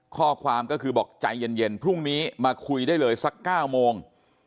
ข้อความก็คือบอกใจเย็นพรุ่งนี้มาคุยได้เลยสัก๙โมง